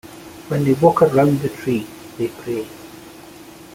When they walk around the tree, they pray.